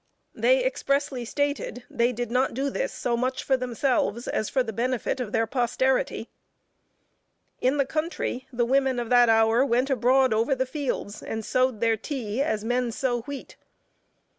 They expressly stated, they did not do this so much for themselves, as for the benefit of their posterity. In the country, the women of that hour went abroad over the fields and sowed their tea, as men sow wheat.